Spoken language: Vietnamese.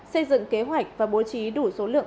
xây dựng kế hoạch và bố trí đủ số lượng